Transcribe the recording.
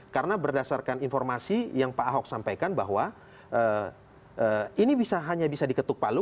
karena berdasarkan informasi yang pak ahok sampaikan bahwa ini hanya bisa diketuk palu